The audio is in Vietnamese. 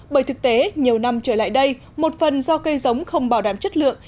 bởi thực tế nhiều năm trở lại đây một phần do cây giống không bảo đảm chất lượng